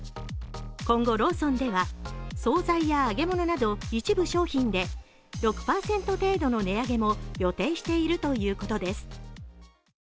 今後ローソンでは総菜や揚げ物など一部商品で６％程度の値上げも予定しているということです。